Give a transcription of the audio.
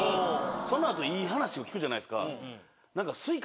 そのあといい話を聞くじゃないですか。